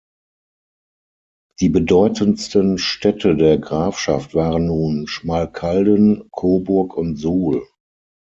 Die bedeutendsten Städte der Grafschaft waren nun Schmalkalden, Coburg und Suhl.